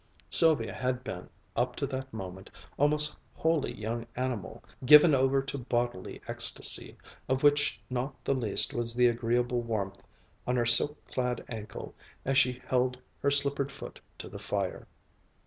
Sylvia had been, up to that moment, almost wholly young animal, given over to bodily ecstasy, of which not the least was the agreeable warmth on her silk clad ankle as she held her slippered foot to the fire.